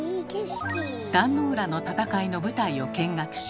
壇ノ浦の戦いの舞台を見学し。